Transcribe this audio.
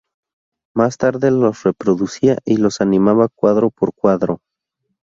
Más tarde, los reproducía y los animaba cuadro por cuadro.